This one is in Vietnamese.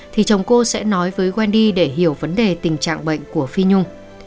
thì chồng cô sẽ nói với quen đi để hiểu vấn đề tình trạng bệnh của phi nhung